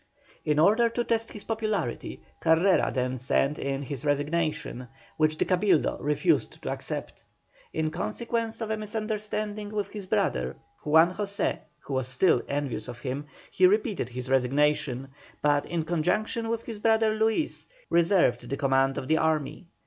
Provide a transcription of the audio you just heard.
In order to test his popularity, Carrera then sent in his resignation, which the Cabildo refused to accept. In consequence of a misunderstanding with his brother, Juan José, who was still envious of him, he repeated his resignation, but in conjunction with his brother Luis, reserved the command of the army.